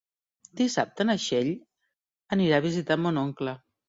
Dissabte na Txell anirà a visitar mon oncle.